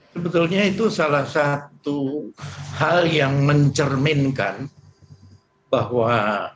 sebetulnya itu salah satu hal yang mencerminkan bahwa